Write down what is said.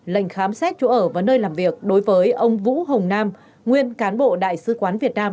lệnh khám xét chỗ ở và nơi làm việc đối với ông vũ hồng nam nguyên cán bộ đại sứ quán việt nam